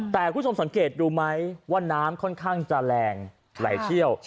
แต่คุณผู้ชมสังเกตดูไหมว่าน้ำค่อนข้างจะแรงไหลเชี่ยว